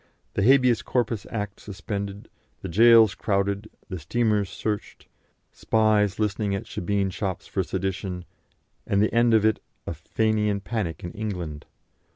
The Habeas Corpus Act suspended, the gaols crowded, the steamers searched, spies listening at shebeen shops for sedition, and the end of it a Fenian panic in England.